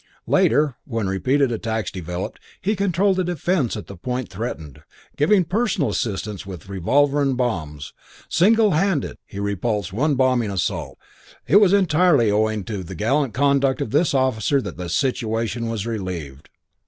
Later, when repeated attacks developed, he controlled the defence at the point threatened, giving personal assistance with revolver and bombs.... Single handed he repulsed one bombing assault.... It was entirely owing to the gallant conduct of this officer that the situation was relieved....